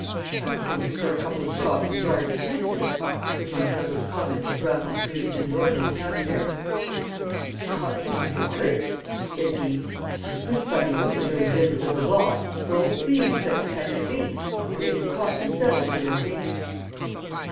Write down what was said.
"Funny orders for a couple of Scotland Yard detectives!" was my puzzled comment as Raffles produced an inordinate cab fare. "Scotland Yard?" said he. "My good Bunny, those were no limbs of the law; they're old thieves set to catch a thief, and they've been caught themselves for their pains!"